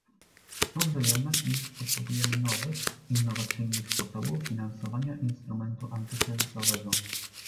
Sądzę jednak, iż potrzebujemy nowych, innowacyjnych sposobów finansowania instrumentu antykryzysowego